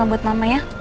salam buat mama ustaz